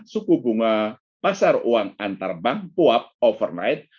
suku bunga pasar uang antar bank puap overnight